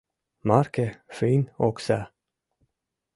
— Марке — финн окса.